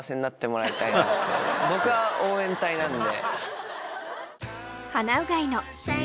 僕は応援隊なんで。